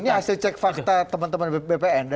ini hasil cek fakta teman teman bpn